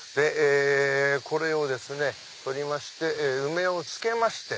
これをですね取りましてウメを漬けまして。